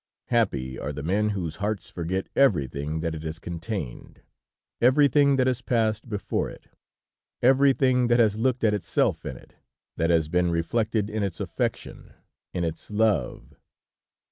Happy are the men whose hearts forget everything that it has contained, everything that has passed before it, everything that has looked at itself in it, that has been reflected in its affection, in its love!